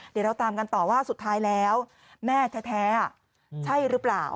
เดี๋ยวเราตามกันต่อว่าสุดท้ายแล้วแม่แท้ใช่หรือเปล่า